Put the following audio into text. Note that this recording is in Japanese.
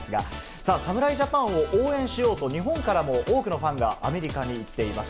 さあ、侍ジャパンを応援しようと、日本からも多くのファンがアメリカに行っています。